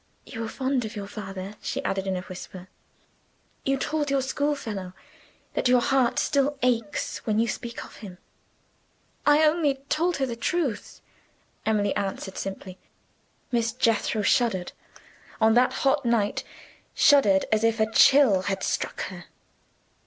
"You were fond of your father?" she added, in a whisper. "You told your schoolfellow that your heart still aches when you speak of him." "I only told her the truth," Emily answered simply. Miss Jethro shuddered on that hot night! shuddered as if a chill had struck her.